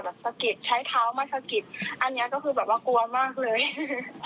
สะกิดใช้เท้ามาสะกิดอันเนี้ยก็คือแบบว่ากลัวมากเลย